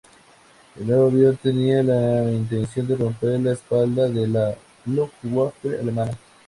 El nuevo avión tenía la intención de romper la espalda de la Luftwaffe alemana.